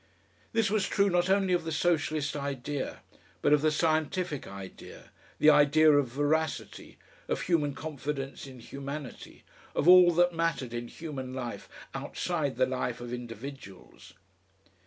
This was true not only of the Socialist idea, but of the scientific idea, the idea of veracity of human confidence in humanity of all that mattered in human life outside the life of individuals....